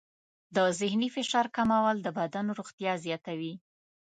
د ذهني فشار کمول د بدن روغتیا زیاتوي.